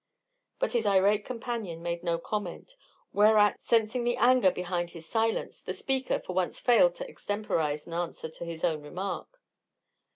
But his irate companion made no comment, whereat, sensing the anger behind his silence, the speaker, for once, failed to extemporize an answer to his own remark.